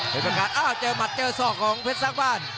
เพชรสร้างบ้านอ้าวเจอหมัดเจอศอกของเพชรสร้างบ้าน